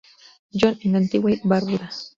John, en Antigua y Barbuda.